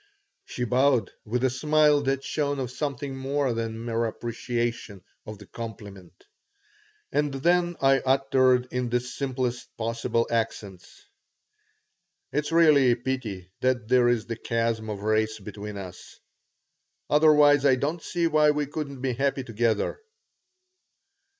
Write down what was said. She bowed with a smile that shone of something more than mere appreciation of the compliment. And then I uttered in the simplest possible accents: "It's really a pity that there is the chasm of race between us. Otherwise I don't see why we couldn't be happy together."